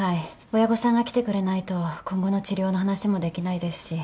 親御さんが来てくれないと今後の治療の話もできないですし。